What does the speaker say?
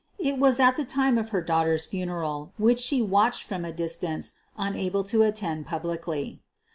It was at the time of her daughter's funeral, which she watched from a dis tance, unable to attend publicly.